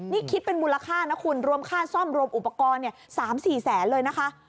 นี่คิดเป็นมูลค่านะคุณรวมค่าซ่อมรวมอุปกรณ์๓๔แสนเลยนะคะ